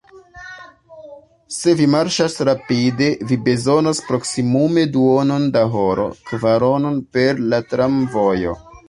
Se vi marŝas rapide, vi bezonos proksimume duonon da horo; kvaronon per la tramvojo.